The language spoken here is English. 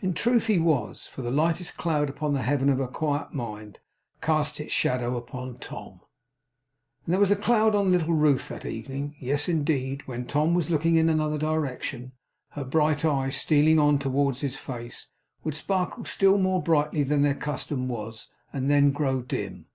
In truth he was; for the lightest cloud upon the Heaven of her quiet mind, cast its shadow upon Tom. And there was a cloud on little Ruth that evening. Yes, indeed. When Tom was looking in another direction, her bright eyes, stealing on towards his face, would sparkle still more brightly than their custom was, and then grow dim.